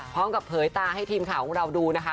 พร้อมกับเผยตาให้ทีมข่าวของเราดูนะคะ